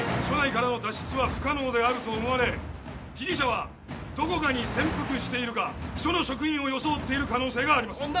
署内からの脱出は不可能であると思われ被疑者はどこかに潜伏しているか署の職員を装っている可能性があります。